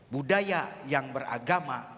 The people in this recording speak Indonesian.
budaya yang beragama